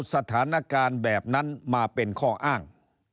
สถานการณ์แบบนั้นมาเป็นข้ออ้าง